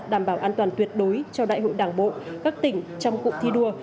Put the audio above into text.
đảm bảo an toàn tuyệt đối cho đại hội đảng bộ các tỉnh trong cụm thi đua